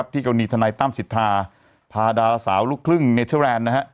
ที่เกาหนีธนัยตั้มศิษฐาพาดารสาวลูกครึ่งเมเธอร์แรนด์